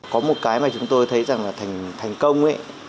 có một cái mà chúng tôi thấy rằng là thành công ấy